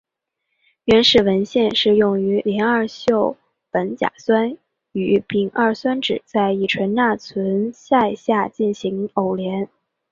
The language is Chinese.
原始文献是用邻溴苯甲酸与丙二酸酯在乙醇钠存在下进行偶联。